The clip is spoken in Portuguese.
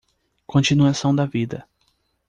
Continuação da vida